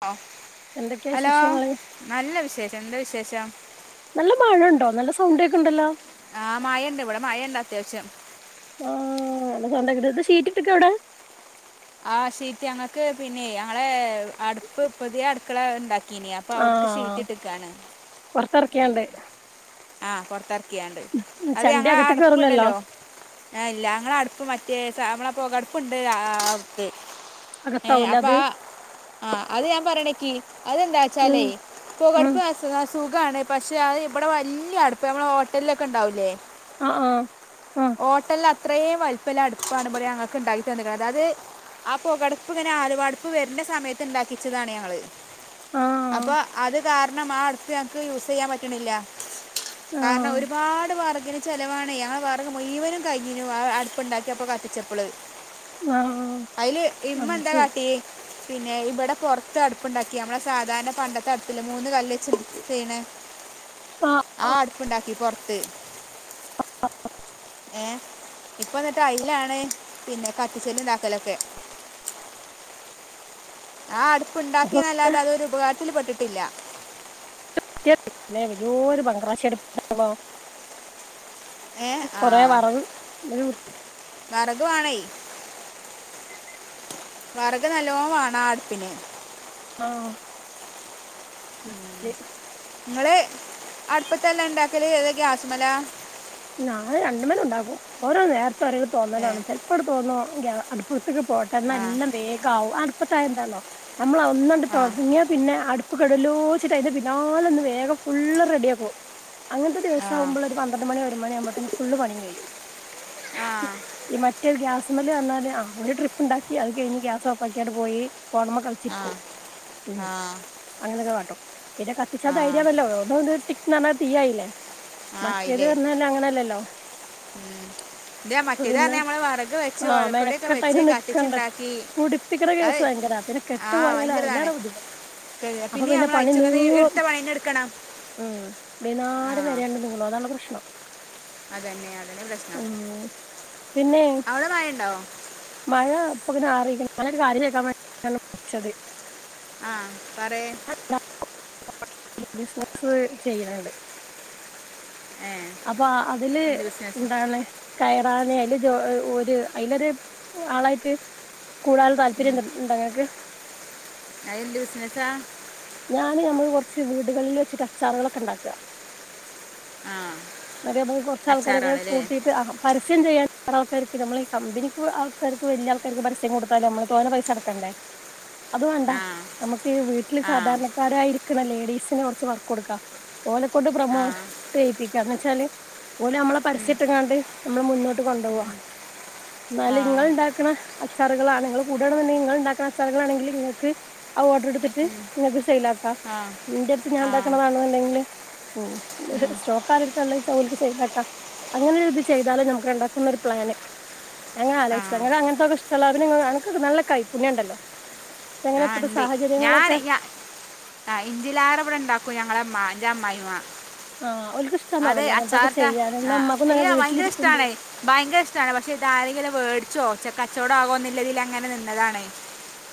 ആ എന്തൊക്കെയാ വിശേഷങ്ങള് വിശേഷം എന്താ വിശേഷം നല്ല മഴൊണ്ടോ? നല്ല സൗണ്ട് കേക്കൊണ്ടല്ലോ ആ മയൊണ്ട് ഇവിടെ മയൊണ്ട് അത്യാവശം ആ നല്ല സൗണ്ടാക്കി ഇത് ഷീറ്റിട്ടേക്കാവിടെ ആ ഷീറ്റ് ഞങ്ങക്ക് പിന്നെ ഞങ്ങളെ അടുപ്പ് പുതിയ അടുക്കള ഇണ്ടാക്കി ഇണ്ടാക്കിനി അവിടുക്ക് ആഹ് ഷിറ്റിട്ടുക്കായാണ് പൊറത്തെറക്കിയാണ്ട് ആ പൊറത്തേറ അത് ചണ്ടി ഞങ്ങടെ അകത്ത് കേറൂലല്ലോ അടുപ്പുണ്ടല്ലോ ഇല്ല ങ്ങടെ അടുപ്പ് മറ്റേ സ പൊകടുപ്പ് ഉണ്ട് അവടിക്ക് അകത്താവുലെ അത് ആ അത് ഞാൻ പറയണേക്കി ഉം അതെന്താച്ചാലേ ഉം പൊകടുപ്പ് [unintelligible] സുഖാണ്. പക്ഷെ അത് ഇവിടെ വലിയ അടുപ്പാ നമ്മള ഹോട്ടലിലൊക്കെ ഒണ്ടാവൂലേ ആ ആ ഹോട്ടല്ലത്ര അത്രയും വലിപ്പുള്ള അടുപ്പാണ് ഇവിടെ ങ്ങൾക്ക് ഇൻണ്ടാക്കി തന്നേക്കണത് അത് ആ പൊകേ ടടുപ്പ് ഇങ്ങനെ ആലുവടുപ്പ് വരുന്നേ സമയത്ത് ഉണ്ടാക്കിച്ചതാണ് ഞങ്ങള് അപ്പൊ ആഹ് അത് കാരണം ആ അടുപ്പ് ഞങ്ങക്ക് യൂസ് ചെയ്യാൻ പറ്റണില്ല ആഹ് കാരണം ഒരുപാട് വാർഗിന് ചെലവാണേ ഞങ്ങടെ മുയുവനും കൈഞീനു അടുപ്പുണ്ടാക്കിയപ്പോ കത്തിച്ചപ്പള് ആഹ് ആഹ് അതില് ഇമ്മ അത് എന്താ ശരി കാട്ടിയേ പിന്നെ ഇവിടെ പൊറത്ത് അടുപ്പുണ്ടാക്കി നമ്മടെ സാധാരണ പണ്ടത്തെ അടുപ്പില്ലേ മൂന്ന് കല്ല് വെച്ച് ചെയ്യണേ [inaudible] ആ അടുപ്പുണ്ടാക്കി പൊറത്ത് ആ ആ ഏ ഇപ്പൊ അന്നിട്ട് അയിലാണ് പിന്നെ കത്തിച്ചലും ഇതാക്കലൊക്കെ [unintelligible] ആ അപ്പൊ അടുപ്പുണ്ടാക്കിയന്നല്ലാതെ അതൊരു ഉപകാരത്തില് പെട്ടിട്ടില്ല [inaudible] വലിയോരു [unintelligible] ഏ ആ കൊറേ വെറവ് വെറകു വേണേ വെറകു നല്ലോണം വേണം ആ അടുപ്പിന് ആ [unintelligible] നിങ്ങള് അടുപ്പത്തെല്ലാം ഇണ്ടാക്കല് ഏതാ ഗ്യാസ്മേല ഞാന് രണ്ടുമേലേ ഒണ്ടാക്കും. ഓരോ നേരത്ത് ഒരോ ഏ തോന്നലാണ് ചിലപ്പോവിടെ തോന്നോ അടുപ്പ് കത്തിക്ക പൊറത്തൊക്കെ പോട്ടെ എന്നാ ആ എല്ലാം വേഗാവും അടുപ്പത്തായ എന്താന്നോ നമ്മള ഒന്നണ്ടട് ആ തൊടങ്ങിയ പിന്നെ അടു ഇപ്പ [unintelligible] അയിന്റെ പിന്നാലെ നിന്ന് വേഗം ഫുള്ള് റെഡി ആക്കും അങ്ങനത്തെ ആ ആ ദിവസാവുമ്പോള് ഒരു പന്ത്ര മണിവരെ ഒമ്പതരാ അമ്പഴതേക്ക് ഫുള്ള് പണിയും കഴിയും. ഈ മറ്റൊരു ഗ്യാ അസമല് വന്നാല് ആ ഒരു ട്രിപ്പ് ഉണ്ടാക്കി അത് കഴിഞ്ഞ് ഗ്യാസ് ഓഫാക്കിയിട്ട് പോയി ഫോണുമ്മേ ആ കളിച്ചിരിക്കും ഉം ആ അങ്ങനെയൊക്കെ കാട്ടും പിന്നെ കത്തിച്ചാ ആ ധൈര്യണല്ലോ ഒന്നൊന്ന് [unintelligible] തീയായില്ലേ ആയില്ലേ അങ്ങനല്ലല്ലോ ഉം ഇതാ മറ്റേതഞ്ഞ നമ്മള് വറക് വെച്ച് ആ ഓലക്കോടിൊക്കെ മെനക്കെട്ട് വെച്ച് അതിന് നിക്കണ്ട കത്തിച്ച്ുണ്ടാക്കി പുടിപ്പിക്കണ അത കേസ് ഭയങ്കരാ പിന്നെ കെട്ടു പോോയാലാ ഇല്ലാോ ബുദ്ധിമട്ട അപ്പൊ പിന്നെ നമ്മൾ പണി അയച്ചൊക്കെ നൂള എടുത്ത പണീനെ എടുക്കണം ഉം ആ അന്നേം വരേണ്ട് നിങ്ങളള അതാണ് പ്രശ്നം അതന്നെ അതന്നെ പ്രശ്നം ഉം പിന്നെ അവവിടെ വയണ്ടോ ൊ അറിയി ഞാനൊരു കാര്യംക്കാൻളിച്ചത് ആഹ പറയ ബിസിന ചെയ്യണണ്ട് ഏ അപ്പൊ അതില് എന്ത് ബിസിനസ് എന്താണ് കയറാനല് അതിലൊരു ആളായിട്ട് കൂടാതും താല്പര്യംണ്ടങ്ങക്ക് അ എന് വിസിനച്ചാ ഞാന് നമ്മക്ക് കുറച്ച് വീടുകളിൽ വെച്ചിട്ട് അച്ചാറുകളൊക്കെ ഉണ്ടാക്കുക ആ അക്കെ കുറച്ച ആൾക്കാരൊക്കെ അച്ചാറുകളല്ലേ കൂട്ടിട്ട് പരസ്യം ചെയ്യാൻ ആൾക്കാർ നമ്മൾ ഈ കമ്പനിക്ക് ആൾക്കാർക്ക് വലിയ ആൾക്കാർക്ക് പരസ്യം കൊടുത്താാല നമ്മള് തോനെ പൈസ അ നടക്കണ്ടേ അത് വേണ്ട ആ നമുക്ക് വീട്ടില് ആ സാധാരണക്കാരായിരിക്കണ ലേഡീസിന് കുറച്ച് വർക്ക് കൊടുക്കാം ഓലെക്കൊണ്ട് ആ പ്രമോട്ട് പ്പിക്ക വെച്ചാല് ഓലെ നമ്മളെ ഉം, പരസ്യട്ടുംങ്ങാണ്ട് നമ്മള് മുന്നോട്ട് കൊണ്ടു പോോവാ എന്നാല ആ ഇങ്ങ ഇണ്ടാക്കണ അച്ചാറുകളാണ നിങ്കൾ കൂടാതെ തന്നെ നിങ്ങൾ ഉണ്ടാക്കുന്ന അച്ചാുകൾാണെങ്കിൽ നിങ്ങക്ക് ആ ഓർഡർ എടുത്തിട്ട് ഉം, നിങ്ങക്ക് സെൽ ആാക്കാ ആ ആ നിന്റെ അടുത്ത് ഞാൻ ഉണ്ടാക്കണതാണെന്നണ്ടെങ്കില് ഉ ഉം, ഷോക്കാർ എടുത്തല്ലോ ചച്ചലക്ക് സതാക്കാ അങ്ങനെ ഇത് ചെയ്താലും നമുക്ക് ഉണ്ടാക്കുന്ന ഒരു പ്ലാന് അങ്ങനെ ആ ആലോചിച്ച അങ്ങന അങ്ങനത്തെൊക്കെ ഇഷ്ടല്ല അവന്നക്ക് നല്ല കൈ പുണ്യംണ്ടല്ലോങ്ങനെ കണ്ടേ ഞാൻ ഞ ആ ഇഞ്ചിലാറെ ഇവിടെ ഉണ്ടാക്കൂ ഞങ്ങള എന്റെ അ്മായിമാ ആഹ് അതെ ഓൽക്കിഷ്ടാന്നാവല്ലേ അങ്ങനത്തൊക്കെ അച്ചാർട്ട ചെയ്യാന് ഇന്നാ ഇമ്മാക്കും തന്നെ ഭയങ്കര ഇഷ്ടണ വീട്ടിലിരിക്കുമ്പളേ ഭയങ്കര ഇഷ്ടണ പക്ഷെ ഇ ആരെങ്കിലും വേടി ച്ചോ ചച്ചെ കച്ചവടം ആകോന്നില്ല ഇതിൽ അങ്ങനെ നിന്നതാണേ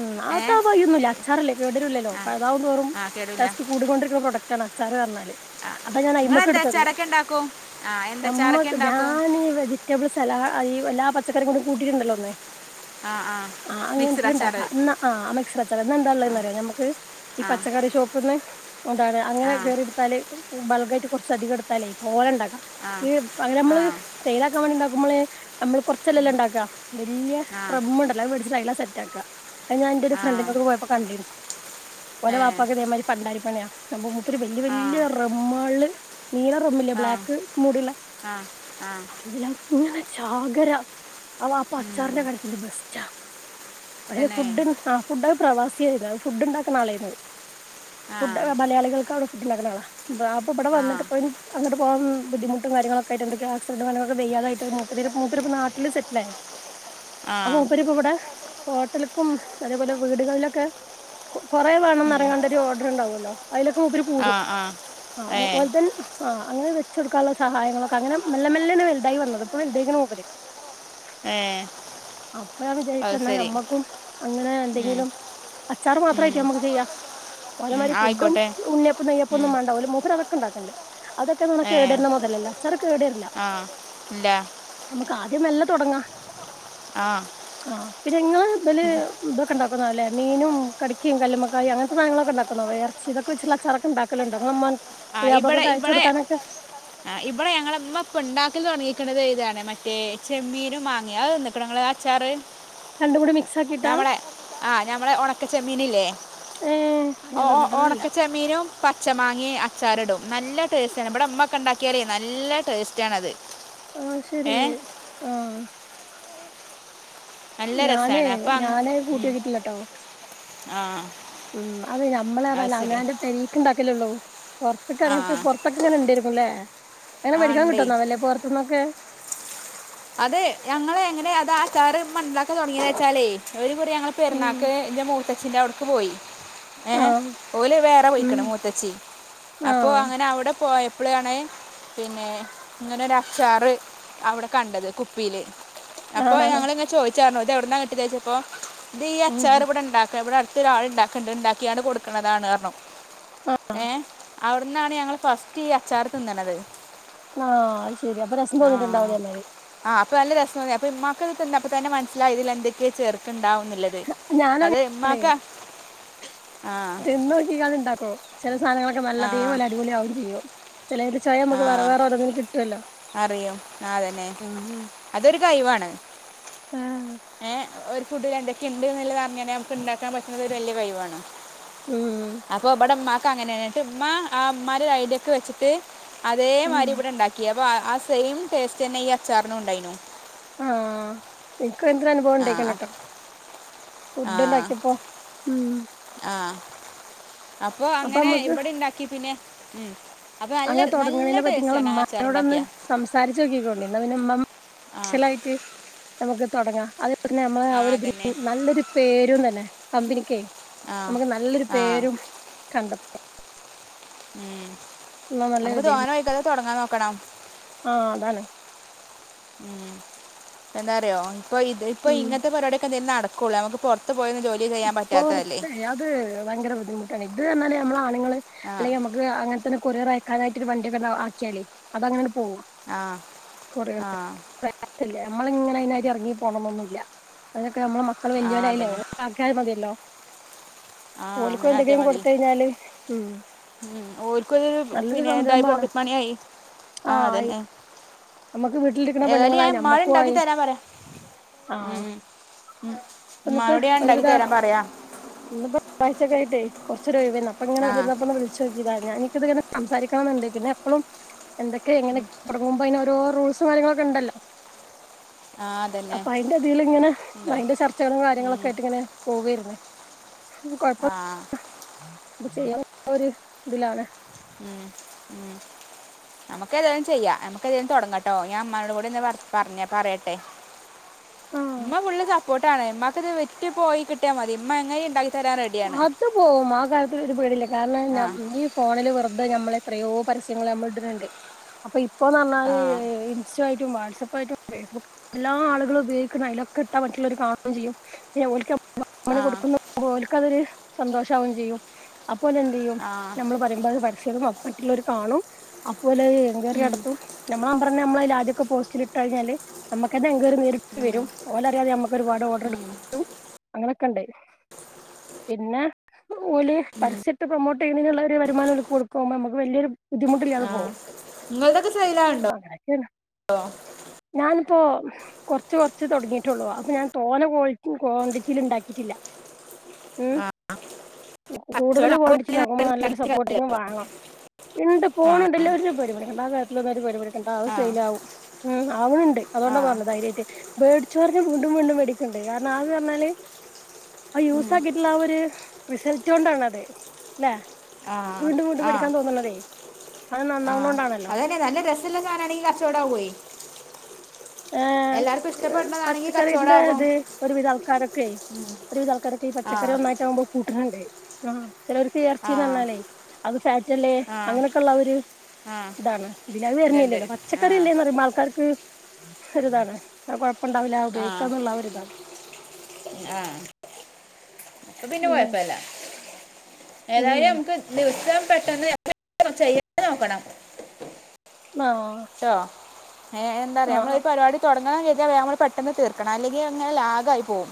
ഉം് ആട്ട ആ പയൊന്ന ഇല്ല അച്ചാറല്ലേ കേടരൂല്ലല്ലോ ആ അപ്പഴതാവും തോറും ആ കേടില്ല സ്റ്റ് കൂടൊണ്ടിരിക്കുന്ന പ്രക് അച്ചാാര് പറഞ്ഞാല് ആ അതാ ഞാൻ നിങ്ങൾ അ്മക്ക് എന്താ എടുത്തത് അച്ചാറൊക്കെ ഉണ്ടാക്കും ആ എന്താ അച്ചാറൊക്കെ നമ്മക്ക് ഉണ്ടാക്കും ഞാൻീഈ വെജിറ്റബിൾ സലാഡ് ഈ എല്ലാ പച്ചക്കറും കൂടി കൂട്ടിട്ടുണ്ടല്ലോ ഒന്നേ ആഹ ആഹ് മിക്സ്രശ എന്നാ ആ മിക്സർ അച്ചട എന്നാ എന്താ ഉള്ളന്ന് അറിയോ നമുക്ക് ഈ ആ പച്ചക്കറി ഷോപ്പ് നിന്ന് അാണ് അങ്ങനെ ആ കയറി എടുത്താല് ബൾഗ്ായിട്ട് കുറച്ച്ധികം എടുത്താലേ തോലണ്ടാക്കും ആ ഈ അങ്ങനെ നമ്മള് ആ ചെയ്താക്കാൻ വേണ്ടി ഉണ്ടാക്കും്പമ്മള് നമ്മൾ കുറച്ചെല്ലാംല്ലാംണ്ടാക്കുക വലിയ ആ പ്രബ്ലം ഉണ്ടല്ലോ മേടിച്ചിട്ട് അല്ലാം സെറ്റ് ആാക്കാ ഞാൻ എന്റെ ഒരു ആ ഫ്രണ്ടിനൊക്കെ പോയപ്പോ കണ്ടിരുന്നു പോലെ ഏ വാപ്പാക്കക്കതേമാതിരി ഫണ്ടായിപ്പണയാ ഒ വല്യ ആ വല്യ റമ്മാള് നീല റൊമില്ലേ ആ ബ്ലാക്ക് മൂടുള്ളന ആ ആ ചാകര അവ ആ ഉം. പച്ചാറിന്റെ കടത്തി ബസറ്റ തന്നെ ഫുഡ് ആ ഫുഡ ആ പ്രവാസിിയ ആയിരുന്നു ഫുഡ് ഉണ്ടാക്കുന്ന ആള്യുന്നത് ആ ഫുഡ്് മലയാികൾക്ക് അവിടെ ഫുഡ് ഉണ്ടാക്കണ അപ്പൊ ഇവിടെ ആ വന്നിട്ട പോയി അങ്ങോട്ട് പോവാൻ ബുദ്ധിമുട്ടും കാര്യങ്ങളൊക്കെയിട്ട് ആക്സിഡന്റ് [unintelligible] വയ്യാതായിട്ട് മൂപ്പരിപ്പ്‌ മൂപ്പരിപ്പ നാട്ടിൽ സെറ്റിലായ അപ്പ ആ മൂപ്പരിപ്പിവിടെ ഹോ ട്ടൽക്കും അതേപോലെ വീടുകളിലൊക്കെ കൊറെ വേണംന്ന് ഉം. പറഞ്ഞോണ്ട് ഒരു ഓർഡർ ഉണ്ടാവുവല്ലോ അതിലൊക്കെ മൂപ്പര് ആ കൂടും ആ ആ മൂ ഏ [unintelligible] ആ അങ്ങനെ വെച്ച്കൊടുക്കാനുള്ള സഹായങ്ങളൊക്കെ അങ്ങനെ മെല്ലെ മെല്ലെയാണ് വലുതായി വന്നത് ഇപ്പൊ വൽതായിക്കണ് മൂപ്പര് ഏ അപ്പ ഞാൻ അത് വിജാരിക്കണ് എന്ന ശരി ഞമ്മ അങ്ങനെ ഉം, എന്തെങ്കിലും അച്ചാർ ഉം, മാത്രമായിട്ട് നമുക്ക് ചെയ്യാം ഉം, പോലമാതിരി ഫുഡും ആയിക്കോട്ടെ ഉണ്ണിയപ്പോം ഉം, നെയ്യപ്പൊന്നും വേണ്ട ഓല് മൂപ്പര് അതൊക്കിണ്ടാ ക്കെണ്ട് അതൊക്കെന്ന് പറഞ്ഞ ഏ കേടുവരുന്ന മുതലല്ല അച്ചാറ് കേട് വരില്ല ആ ഇല്ല നമക്ക് ആദ്യനല്ല തൊടങ്ങാ ആ ആ പിന്നെങ്ങള് ഇതില് ഇതൊക്ക ഇണ്ടാക്കൊന്നോ അല്ലേ മീനും കടിക്കേം കല്ലുമ്മക്കായേം അങ്ങനത്തെ സാധങ്ങളൊക്കെ ഇണ്ടാക്കുന്നോ വേറച്ചി ഇതൊക്കെ വെച്ചുള്ള അച്ചാറൊക്ക എണ്ടാക്കലിണ്ടോ ഇങ്ങളമ്മ ആ ഇവിടെ ഇവിടെ ആ ഇവിടെ ഞങ്ങളമ്മ ഇപ്പിണ്ടാക്കല് തൊടങ്ങേക്കണത് ന്നെ മറ്റേ ചെമ്മീനും മാങ്ങേ അത് തിന്നേക്കണ ഇങ്ങള് അച്ചാറ് രണ്ടും കൂടി മിക്സ് ആക്കിട്ടാ ഞമ്മളെ ആ ഞമ്മളെ ഒണക്ക ചെമ്മീനില്ലേ ഏഹ് അത് ഓ ഞാൻ ഓ തിന്നിട്ടൊന്നുല്ല ഉണക്ക ചെമ്മീനും പച്ച മാങ്ങേ അച്ചാറിടും നല്ല ടേസ്റ്റണ് ഇവിടെ ഉമ്മാക്കെ ഉണ്ടാക്കിയാലേ നല്ല ടേസ്റ്റാണത് ആഹ് ശരി ഏ ആഹ് നല്ല ഞാനേ രസാണ് അപ്പൊ അങ്ങ് ഞാന് ഇം കൂട്ടിയോക്കിട്ടില്ലട്ടോ ആ ഉം അതെ അത് ഞമ്മളതല്ല ശരി അങ്ങാന്റ് പെരീക്കിണ്ടാക്കലൊള്ളൂ പുറത്തൊക്കെ ആ അങ്ങനത്തെ പുറത്തൊക്കെ ഇങ്ങനെ ഇണ്ടേരിക്കുംല്ലേ അങ്ങനെ ആ മേടിക്കാൻ കിട്ടോ ഉണ്ടേ തോന്നണല്ലേ പൊറത്തീന്നൊക്കെ അത് ഞങ്ങള് എങ്ങനെ അത് ആ അച്ചാറ് മൺലാക്കതൊടങ്ങിയ വെച്ചാലേ ഒരു മുറി ഞങ്ങള് ഉം പെര്ന്നാക്ക് എന്റെ മൂത്തച്ഛന്റെ അവിടെക്ക് പോയി ഏ ആഹ് ഓല് വേറെ ഉം പോയിക്കണ് മൂത്തച്ചി അപ്പൊ ആഹ് അങ്ങനെ അവിടെ പോയ പ്പ്ളെയാണേ പിന്നെ ഇങ്ങനെ ഒരു അച്ചാറ് അവിടെ കണ്ടത് കുപ്പീല് അപ്പൊ ആഹ് ഞങ്ങളിങ്ങേ ചോദിച്ചാരുന്നു ഇത് എവിടന്ന കിട്ടി ചോയ്ച്ചപ്പോ ഇത് ഈ ഉം അച്ചാർ ഇവിടെണ്ടാക്കാ ഇവിടടു ത്ത് ഒരാളിണ്ടാക്കണ്ട് ഇണ്ടാക്കിയാണ് കൊടുക്കണതാണന്ന് പറഞ്ഞു ഏ അവിടന്നാണ് ഞങ്ങള് ഫസ്റ്റ് ഈ അച്ചാർ തിന്നണത് ആഹ് അത് ശരി അപ്പൊ രസം തോന്നിട്ടുണ്ടാവല്ലേ ആഹ് അപ്പ നല്ല രസോന്നി അപ്പ ഉമ്മാക്കത് തിന്നപ്പ തന്നെ മനസ്സിലായി ഇതിൽ എന്തൊക്കെയോ ചേർക്കിണ്ടാവും ന്നില്ലത് ഞാന അത് ഉമ്മാക്കാ ആ തിന്ന് നോക്കിക്കാണ്ട് ഉണ്ടാക്കും ചില സാധനങ്ങളൊക്ക നല്ല ആ അതേപോലെ അടിപൊളിയാവും അവര് ചെയ്യും ചെലേന്റെ ചായ ആ ഞമ്മക്ക് വേറെ വേറെ ഓരോന്നിലും കിട്ടുവല്ലോ അറിയും ആതന്നെ അതൊരു കയിവാണ് [unintelligible] ഏ ഒരു ഫുഡിലെന്തൊക്കെയിണ്ട് എന്നിള്ളത് അറിഞ്ഞാലേ നമ്മക്ക് ഇണ്ടാക്കാൻ പറ്റുന്നത് ഒരു വല്യ കയിവാണ് ഉം അപ്പൊ ഇവിടെ ഉമ്മാക്ക് അങ്ങനെണ് എന്നിട്ടുമ്മാ ആ ഉമ്മാന്റെ ഐഡിയൊക്കെ വെച്ചിട്ട് ഉം അതേമാതിരി ഇവിടെ ഇണ്ടാക്കി അപ്പ ആ സെയിം ടേസ്റ്റ് തന്നെ ഈ അച്ചാറിനും ഉണ്ടായിനു ആഹ് എൻക്ക് എന്ത്ര അനുഭവം ആ ഉണ്ടായിക്കണുട്ടോ ആ ഫുഡുണ്ടാക്കിയപ്പോ ആ അപ്പൊ അങ്ങനെ ഇവിടിണ്ടാക്കി പിന്നെ ഉം അപ്പോൾ നല്ല അങ്ങനെ നല്ല തൊടങ്ങണേനെ പറ്റി ടേസ്റ്റാണ് ആ അച്ചാർ നിങ്ങളുമ്മാനോട് ഒന്ന് ഉണ്ടാക്കിയ സംസാരിച്ചോക്കിക്കോണ്ടി എന്നാ പിന്നെ മ്യു ആ ച്ചലായിറ്റ് നമുക്ക് തൊടങ്ങാം അത് അതെന്നമ്മാ ആ ഒരു [unintelligible] നല്ലൊരു പേരും തന്നെ കമ്പനിക്കേ ആ നമക്ക് നല്ലൊരു ആ പേരും കണ്ടം ഉം നമുക്ക് തോനവായിട്ടത് തൊടങ്ങാൻ നോക്കണം ആഹ് അതാണ് എന്താറിയോ ഇപ്പൊ ഇത് ഇപ്പ ഉം ഇങ്ങത്തെ പരിപാടിയൊക്കെ ദേ നടക്കൂല നമക്ക് പൊറത്ത് ഇപ്പോറത്തെ അത് ഭയങ്കര ബുദ്ധിമുട്ടാണേ ഇത് എന്നാലേ നമ്മളാണുങ്ങള് ആ അല്ലെങ്കി നമുക്ക് അങ്ങനെ തന്നെ കൊറിയർ അയക്കാനായിട്ട് ഒരു വണ്ടിയൊക്കണ്ടാ ആക്കിയാലേ അതങ്ങനങ്ങട് പോവാ ആ ആ [unintelligible] നമ്മളിങ്ങനെ അയിനാറ്റിറങ്ങി പോണന്നൊന്നു ല്ല അയിനൊക്കെ നമ്മളമക്കള് ആ വലിയവരായില്ലേ അതന്നെ ഓലൊക്കെ ആക്കിയാലും മതിയല്ലോ ആ ഓല്ക്കു അങ്ങനെ ആട്ടിയാൽ എന്തെങ്കിലും മതി കൊടുത്തഴിഞ്ഞാല് ഉം ഉം ഓൽക്കുഅത് നല്ലൊരു പിന്നെ എന്തായി സംരംഭമാണ് പോക്കറ്റ് മണിയായി ആ അതന്നെ നമുക്ക് വീട്ടിലിരിക്കുന്ന ഏതായാലും പെണ്ണുങ്ങളായി ഞാൻമ്മാനോട് നമ്മക്കും ഉണ്ടാക്കി ആയി തരാൻ പറയാ ആ ഉം ഉം ഉം ഉമ്മാനോട്ഞാൻ ഒരുവിധാ ഇന്നിപ്പോ [unintelligible] വായിച്ചൊക്കേയിട്ടേ കൊറ്ച്ചൊരൊയ് വേര്ന്നു അപ്പംങ്ങന ആ ഇര്ന്നപ്പം ഒന്ന് വിളിച്ചോക്കി ക്കിതാ ഞാനിക്ക്ത് ഇങ്ങന സംസാരിക്കണംനിണ്ട് പിന്നെ എപ്പളും എന്തൊക്കെ എങ്ങനെ തൊടങ്ങുമ്പ അയ്ന് ഓരോ റൂൾസും കാര്യങ്ങളൊക്കെ ഉണ്ടല്ലോ ആ അതന്നെ അപ്പൊ അയ്ന്റെതില്ങ്ങനെ ഉണ്ട് അതിന്റെ ചർച്ചകളും കാര്യങ്ങളും ഒക്കെ ഉം ങ്ങനെ പോവേരുന്നെ കൊഴപ്പം ആ അ ചെയ്യ ഒരു ഇതിലാണ് ഉം ഉം നമുക്ക് ഏതായാലും ചെയ്യാം നമുക്ക് ഏതായാലും തുടങ്ങട്ടോ ഞാൻ ഇമ്മാനോടും കൂടെന്ന് പറ് പറഞ്ഞ് പറയട്ടെ ആഹ് ഇമ്മ ഫുള്ള് സപ്പോർട്ട് ആണ് മ്മാക്ക്ത് വിറ്റ് പോയി കിട്ടിയാമതി ഇമ്മ എങ്ങനീണ്ടാക്കി അത് പോകും ആ കാര്യത്തില് ഒരു പേടില്ല കാരണം ആ ഞാം ഇഞ്ഞ് ഫോണില് വെറ് തെ നമ്മൾ എത്രയോ പരസ്യങ്ങൾ നമ്മൾ ഇട്ടിട്ട്ണ്ട് അപ്പൊ ഇപ്പന്ന് പറഞ്ഞാൽ ആ ഇൻസ്റ്റോ ആയ്ട്ടും വാട്സ് സപ്പായ്ട്ടും ഫെയ്സ്ബുക്ക് എല്ലാ ആളുകളും ഉപയോഗിക്ക്ന്ന അയ്ലൊക്കെ ഇട്ടാ മറ്റുള്ളവര് കാണും ചെയ്യും പിന്നെഓല്ക്ക് നമ്മ വ അങ്ങനെ ആ കൊടുക്കുന്നെ ഓല്ക്ക് അതൊരു സന്തോഷാവും ചെയ്യും അപ്പോല് എന്ത് ചെയ്യും ആ നമ്മള് പറയുമ്പോ അത് പരസ്യടും അപ്പം മറ്റുള്ളവര് കാണും അ അപ്പോല് എൻക്വയറി ഉം നടത്തും നമ്മളെ നമ്പറെന്നെ നമ്മളയ്ല് ആദ്യൊക്കെ പോസ്റ്റിലിട്ട് കഴിഞ്ഞാല് നമ്മക്കെന്നെ എൻ ക്വയറി നേരിട്ട് വരും ഓലറിയാതെ നമ്മക്ക് ഒരുപാട് ഓർഡർ ട് ട്ടും അങ്ങനെയൊക്കെണ്ട് പിന്നെ ഓല് പരസ്യട്ട് പ്രൊമോട്ട് ചെയ്യ്ണയ്ന്ള്ള ഒരു വരുമാനം ഓല്ക്ക് കൊടുക്കുമ്പോ നമുക്ക് വല്ല്യരു ബുദ്ധിമുട്ടില്ലാതെ ആ പോവും നിങ്ങളതൊക്കെ സെയിലാണ്ടോ അപ്പം അങ്ങനെക്കേണ് ഞൻ അപ്പൊ കൊറ്ച്ച് കൊറ്ച്ച് തൊട്ങ്ങീട്ടൊള്ളൂ അപ്പൊ ഞാൻ തോന്നെ കോൾറ്റി ക്വാണ്ടിറ്റീൽ ഉണ്ടാക്കീട്ടില്ല മ് കൂടുതൽ കച്ചവടം കോണ്ടിറ്റി ഇണ്ടാക്കുമ്പോ നല്ലൊരു സപ്പോർട്ടിങും വാണം ഇണ്ട് ആ പോണ് ണ്ട് ഇല്ല ഒരു പേടിം പേടിക്കണ്ട ആ കാര്ത്തിലൊന്ന ഒരു പടിം പേടിക്ക ണ്ട അഅ് സെയ്ലാവും ഉം ആവ്ണ് ണ്ട് ആ അതുകൊണ്ടാപറഞ്ഞത് ധൈര്യായ്ട്ട് വേടിച്ചോര്ന്നെ വീണ്ടും വീണ്ടും വേടിക്ക്ണ്ട് അ കാരണം ആത് പറഞ്ഞാല് ഉം ള്ള ആ ഒരു റിസൾട്ട് കൊണ്ടാണത് അല്ലേ ആഹ് ആഹ് അത് ആഹ് നന്നാവണോണ്ടാണല്ലോ അതെന്നെ നല്ല രസല്ലെ സാധനാണെങ്കിൽ കച്ചോടാവേ ഏ ഇഷ്ടപ്പെടുന്നതാണെങ്കിൽ പച്ചക്കറിൻ്റെ കച്ചവടമാകും ഇത് ഒരുവിധാൾക്കാരൊക്കെ ഒരുവിധ ആൾക്കാരൊക്കെ ഈ ആ പച്ചക്കറി നന്നായിട്ടാകുമ്പോൾ കൂട്ട്ണ് ണ്ട് ആ ചിലവർക്ക് ആ ഏർച്ചിന്ന് പറഞ്ഞാലേ അത് ഫാറ്റ്ല്ലേ ആ അങ്ങനെക്കെള്ള ആ ഒരു ആ ഇതാണ് ഇതില് അത് ഇതുണ്ട് വരുന്നല്ലല്ലോ ആ പച്ചക്കറി എല്ലേന്ന് പറുമ്പോ ആൾക്കാർക്ക് ഒരു ഇതാണ് ആ കൊയ് പ്പണ്ടാവില്ല ആ ഉപയോഗിക്കാന്ന്ള്ള ആ ഒരിതാണ് അപ്പംപിന്നെ ഉം കൊഴപ്പല്ല ഉം ഏതായാലും നമുക്ക് ദിവസം പെട്ടെന്ന് [unintelligible] [unintelligible] നോക്കണം ആഹ് ഏ എന്താറിയോ നമ്മള് ആഹ് ഒരു പരിപാടി തൊട്ങ്ങ [unintelligible] നമ്മൾ പെട്ടൊന്ന് തീർക്കണം അല്ലെങ്കിൽ അങ്ങനെ ലാഗായി പോകവും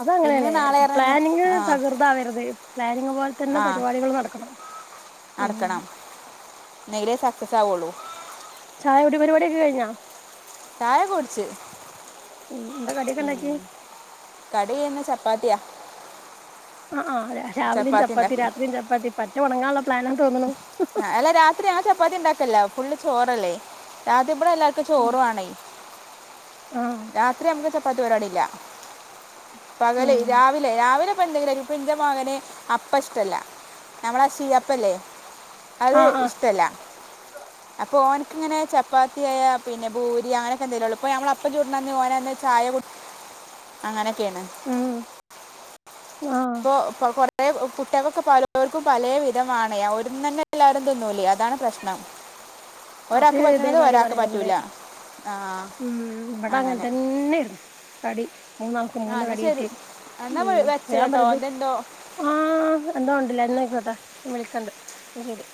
അത് അങ്ങനേണ് പ്ലാനിങ് തക്ർതാവരുത് പ്ലാനിങ് പോലെ തന്നെ ആ പരിപാടികളും നടക്കണം ഉം നടക്കണം നെങ്കിലെ സക്സസ് ആവുള്ളൂ ചായ കുടി പരിപാടിഒക്കെ കഴിഞ്ഞോ ചായക്കെ കുടിച്ചു ഉം എന്താ കടിയൊക്കെ ഉണ്ടാക്കി കടിയിന്ന് ചപ്പാത്തിയാ ആ ആ രാ രാവിലെം ചപ്പാത്തി രാത്രിയും ചപ്പാത്തി പറ്റ ഒണങ്ങാള്ളെ പ്ലാനാന്ന് തോന്ന്ണു ആ അല്ല രാത്രി ആ ചപ്പാത്തി ഉണ്ടാക്കല്ലോ ഫുള്ള് ചോറല്ലേ ഇവിടെ എല്ലാവർക്കും ചോറുണ ആഹ് രാത്രി നമു പത്ത് പരാടല്ല പകല ഉം രാവിലെ രാവിലെ ഇ എന്തെങ്കിലുംും ഇപ്പ എന്റെ മകനെ അപ്പ ഇഷ്ടല്ല നമ്മളീ അപ്പല്ലേ അത് ആഹ് ആഹ് ഇഷ്ടല്ല അപ്പൊ ഓൻ ഇങ്ങനെ ചപ്പാത്തിയ പിന്നെ ഭൂരി അങ്ങനൊക്കെ എന്തെലേ ഉള്ളൂ ഇപ്പോ ഞമ്മള അപ്പ ചൂടി അന്ന് ഓനന്ന് ചായ കുട്ടി അങ്ങനൊക്കെയാണ് ഉം ആഹ് ഇപ്പൊ കൊറ കുട്ടവക്ക് പലവര്ക്കും പല വിധമാണയാ ഒ തന്നെ എല്ലാവരും തിന്നൂലേ അതാണ് പ്രശ്നം അത് ഒരാൾക്ക് പറ്റണത് ഇതേമാരി ഒരാൾക്ക് പറയുന്നുണ്ട് പറ്റൂല ആ ഉം ഇവിട അങ്ങെ അങ്ങനെ തന്നൊയിരുന്നു കടി മൂന്നാൾക്ക് ആ മൂന്ന് എന്നാൽ ശരി കടീയിട്ട് ഉ എന്നാൽ വെച്ചല്ലോ വയാൻ കേട്ടോ പറയുന്നു അതെന്തോ ആഹ എന്താ ഉണ്ടില്ല ഇന്ന്ക്കട്ടാ വിളിക്കണ്ട് അ ശരി